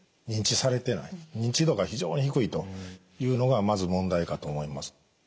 認知されてない認知度が非常に低いというのがまず問題かと思います。